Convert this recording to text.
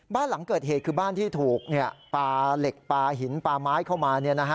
บ้านหลังเกิดเหตุคือบ้านที่ถูกปลาเหล็กปลาหินปลาไม้เข้ามา